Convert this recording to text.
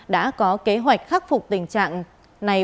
đã có kế hoạch khắc phục tình trạng này